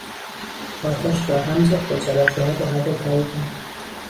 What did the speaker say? آتش را هم زد و جرقهها به هوا پریدند.